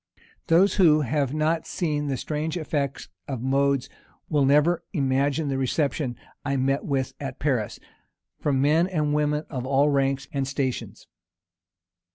Those who have not seen the strange effects of modes, will never imagine the reception I met with at Paris, from men and women of all ranks and stations.